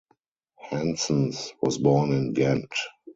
Hanssens was born in Ghent.